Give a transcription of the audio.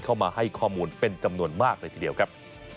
เข้ามาให้ข้อมูลเป็นจำนวนมากเลยทีเดียวครับ